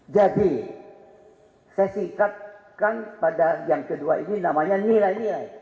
jadi saya singkatkan pada yang kedua ini namanya nilai nilai